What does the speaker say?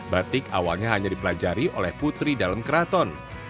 batik awalnya hanya dipelajari oleh putri dalam keraton